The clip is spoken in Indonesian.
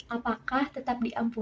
apakah tetap diampuni